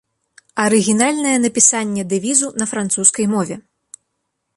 Арыгінальнае напісанне дэвізу на французскай мове.